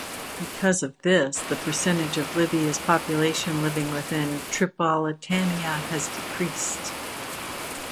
Because of this, the percentage of Libya's population living within Tripolitania has decreased.